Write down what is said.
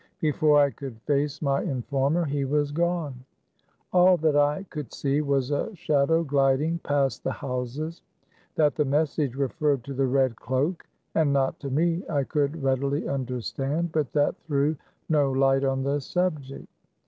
Before I could face my in former, he was gone. All that I could see was a shadow gliding past the houses. That the message referred to the red cloak, and not to me, I could readily understand ; but that threw no '' *ht on the subject.